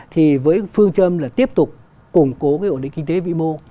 thì với phương châm là tiếp tục củng cố cái ổn định kinh tế vĩ mô